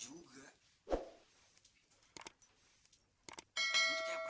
gue tuh kayak pernah ketemu